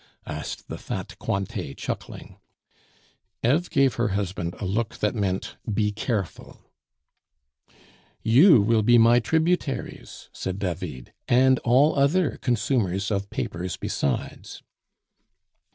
asked the fat Cointet, chuckling. Eve gave her husband a look that meant, "Be careful!" "You will be my tributaries," said David, "and all other consumers of papers besides."